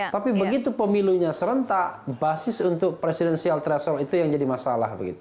tapi begitu pemilunya serentak basis untuk presidensial threshold itu yang jadi masalah